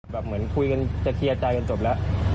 เหมือนคุยกันจะเคลียร์ใจกันจบแล้ว